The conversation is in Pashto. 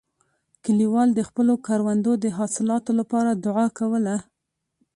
کلیوال د خپلو کروندو د حاصلاتو لپاره دعا کوله.